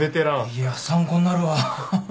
いや参考になるわ。